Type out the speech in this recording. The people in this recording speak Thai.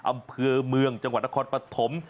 อำเภอเมืองจังหวัดนครปฐม